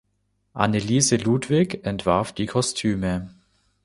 Anneliese Ludwig entwarf die Kostüme.